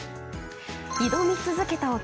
挑み続けた男